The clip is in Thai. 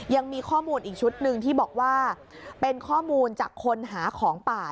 ยังมีข้อมูลอีกชุดหนึ่งที่บอกว่าเป็นข้อมูลจากคนหาของป่า